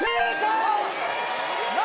何？